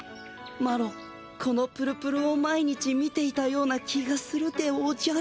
マロこのプルプルを毎日見ていたような気がするでおじゃる。